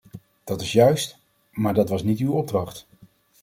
Dat is juist, maar dat was niet uw opdracht.